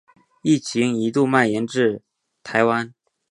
疫情一度蔓延至台湾。